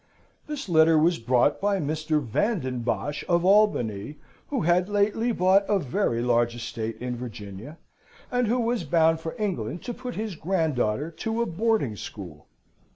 This letter was brought by Mr. Van den Bosch of Albany, who had lately bought a very large estate in Virginia, and who was bound for England to put his granddaughter to a boarding school.